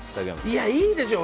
いやいいでしょう。